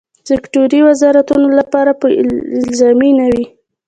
سکټوري وزارتونو لپاره به الزامي نه وي.